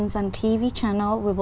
chúng ta sẽ cộng đồng với nhau